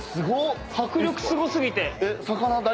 迫力すご過ぎて。